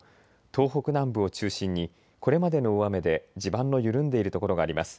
東北南部を中心にこれまでの大雨で地盤の緩んでいる所があります。